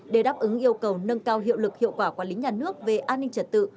để đáp ứng yêu cầu nâng cao hiệu lực hiệu quả quản lý nhà nước về an ninh trật tự